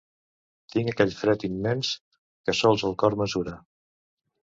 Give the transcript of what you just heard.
Tinc aquell fred immens que sols el cor mesura.